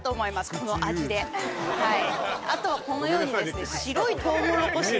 この味ではいあとはこのようにですね